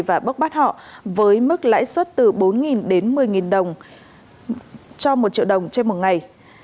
và bốc bắt họ với mức lãi suất từ bốn đến một mươi đồng cho một triệu đồng trên một ngày